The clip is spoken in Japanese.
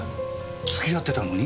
付き合ってたのに？